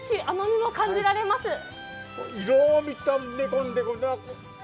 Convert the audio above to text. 甘みも感じられます。